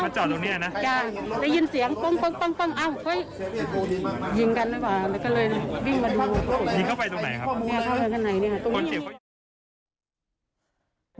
มาจอดตรงนี้อ่ะนะ